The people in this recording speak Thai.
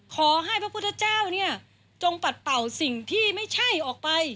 พระพุทธเจ้าเนี่ยจงปัดเป่าสิ่งที่ไม่ใช่ออกไป